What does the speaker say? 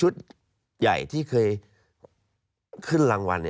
ใหญ่ที่เคยขึ้นรางวัล